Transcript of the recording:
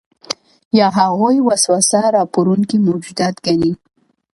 یا هغوی وسوسه راپاروونکي موجودات ګڼي.